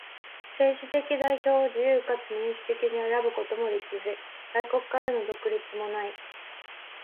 政治的代表を自由かつ民主的に選ぶこともできず、外国からの独立もない。